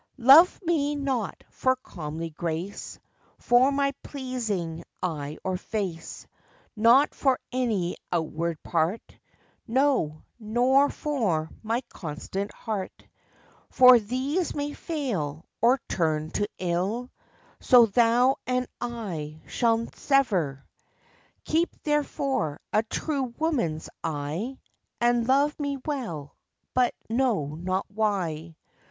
Love me not for comely grace, For my pleasing eye or face, Nor for any outward part; No! nor for my constant heart, For these may fail, or turn to ill; So thou and I shall sever: Keep, therefore, a true woman's eye, And love me well, but know not why.